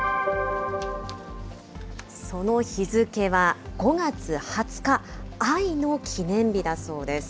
その日付は５月２０日、愛の記念日だそうです。